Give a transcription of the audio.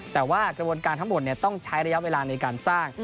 แต่ว่ากระบวนการทั้งหมดต้องใช้ระยะเวลาในการสร้าง